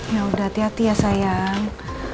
yaudah hati hati ya sayang